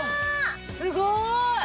すごい。